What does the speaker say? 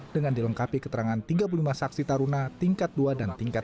dengan dilengkapi keterangan tiga puluh lima saksi taruna tingkat dua dan tingkat tiga